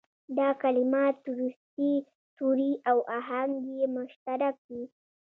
دا کلمات وروستي توري او آهنګ یې مشترک وي.